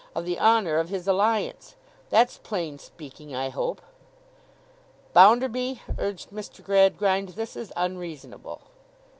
of the honour of his alliance. That's plain speaking, I hope.' 'Bounderby,' urged Mr. Gradgrind, 'this is unreasonable.